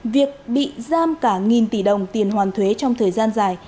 việc bị giam cả nghìn tỷ đồng tiền hoàn thuế trong thời gian dài